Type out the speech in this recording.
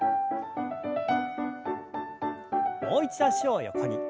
もう一度脚を横に。